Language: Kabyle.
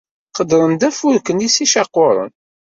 Qeddren-d afurk-nni s yicaquren.